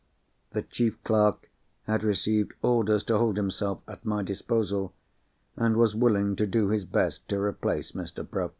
The chief clerk had received orders to hold himself at my disposal, and was willing to do his best to replace Mr. Bruff.